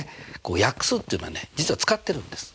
約数っていうのはね実は使ってるんです。